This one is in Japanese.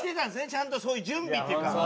ちゃんとそういう準備っていうか。